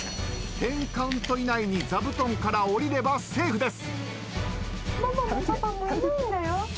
１０カウント以内に座布団からおりればセーフです。